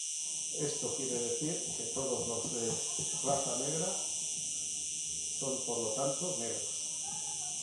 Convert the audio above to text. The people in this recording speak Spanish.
Esto quiere decir que todos los de raza negra, son por lo tanto negros.